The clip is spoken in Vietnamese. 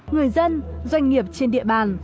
người dân doanh nghiệp trên địa bàn